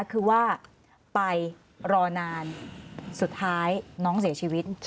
คือว่าไปรอนานสุดท้ายน้องเสียชีวิต